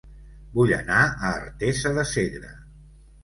Vull anar a Artesa de Segre